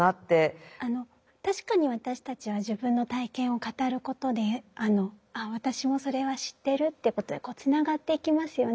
確かに私たちは自分の体験を語ることであ私もそれは知ってるってことでつながっていきますよね。